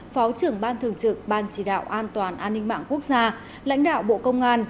phó trưởng ban thường trực ban chỉ đạo an toàn an ninh mạng quốc gia lãnh đạo bộ công an